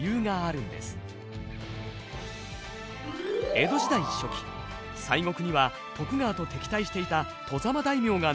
江戸時代初期西国には徳川と敵対していた外様大名が残っていました。